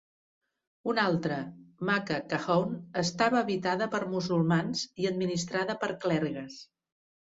Un altre, Maka Kahone, estava habitada per musulmans i administrada per clergues.